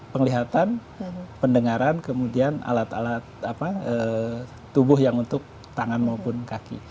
penglihatan pendengaran kemudian alat alat tubuh yang untuk tangan maupun kaki